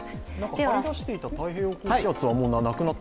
張りだしていた太平洋高気圧はもうなくなった？